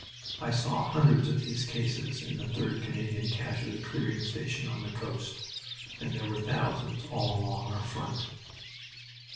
I saw hundreds of these cases in the 3rd Canadian casualty clearing station on the coast, and there were thousands all along our front.